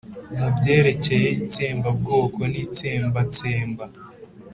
mu byerekeye itsembabwoko n'itsembatsemba,